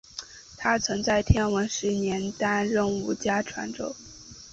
他曾在天文十一年担任武家传奏。